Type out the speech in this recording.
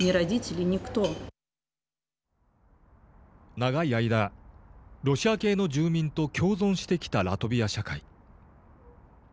長い間、ロシア系の住民と共存してきたラトビア社会。